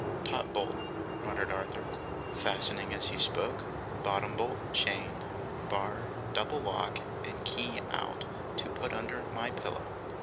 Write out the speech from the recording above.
'Top bolt,' muttered Arthur, fastening as he spoke, 'bottom bolt, chain, bar, double lock, and key out to put under my pillow!